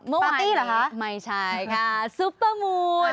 ปาร์ตี้หรือคะไม่ใช่ค่ะซุเปอร์มูน